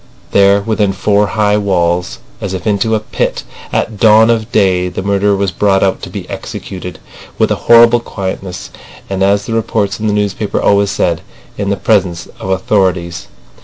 There within four high walls, as if into a pit, at dawn of day, the murderer was brought out to be executed, with a horrible quietness and, as the reports in the newspapers always said, "in the presence of the authorities."